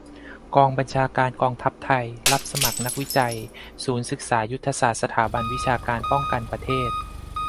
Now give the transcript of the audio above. กองบัญชาการกองทัพไทย รับสมัคร นักวิจัย ศูนย์ศึกษายุทธศาสตร์ สถาบันวิชาการป้องกันประเทศ